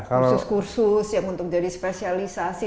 untuk kemudian untuk jadi spesialisasi